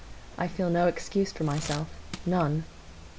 I feel no excuse for myself, none.